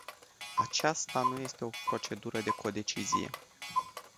Aceasta nu este o procedură de codecizie.